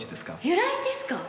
由来ですか？